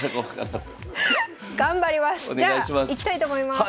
じゃあいきたいと思います。